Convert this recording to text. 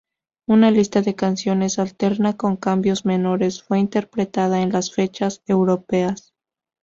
Una lista de canciones alterna con cambios menores fue interpretada en las fechas europeas.